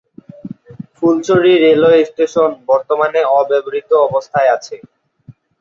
Fulchhari railway station বর্তমানে অব্যবহৃত অবস্থায় আছে।